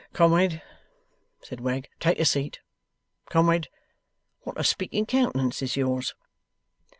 'Comrade,' said Wegg, 'take a seat. Comrade, what a speaking countenance is yours!